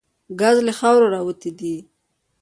ګاز له خاورو راوتي دي.